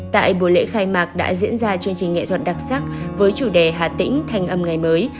tại buổi lễ khai mạc đã diễn ra chương trình nghệ thuật đặc sắc với chủ đề hà tĩnh thanh âm ngày mới